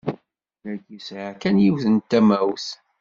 Dagi sɛiɣ kan yiwet n tamawt.